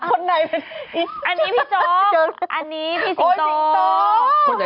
อันนี้พี่โจ๊กอันนี้พี่สิงโต